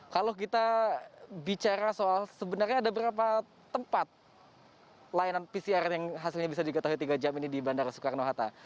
kalau kita bicara soal sebenarnya ada berapa tempat layanan pcr yang hasilnya bisa diketahui tiga jam ini di bandara soekarno hatta